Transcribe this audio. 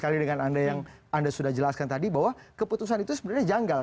sekali dengan anda yang anda sudah jelaskan tadi bahwa keputusan itu sebenarnya janggal